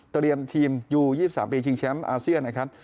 เตรียมทีมยู๒๓ปีชิงแชมป์อาเซียนนะครับ